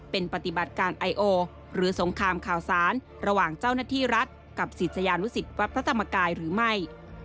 เป็นปฏิบัติการไอโอหรือสงครามข่าวสารระหว่างเจ้าหน้าที่รัฐกับศิษยานุสิตวัดพระธรรมกายหรือไม่